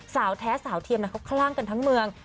สาวแท้สาวเทียมเขาคลั่งกันทั้งเมือง